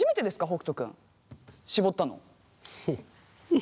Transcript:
北斗君絞ったの。